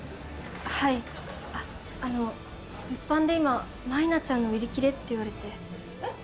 はいあの物販で今舞菜ちゃんの売り切れって言われてえっ？